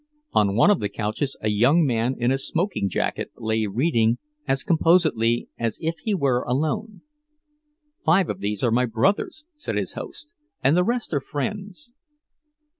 On one of the couches a young man in a smoking jacket lay reading as composedly as if he were alone. "Five of these are my brothers," said his host, "and the rest are friends."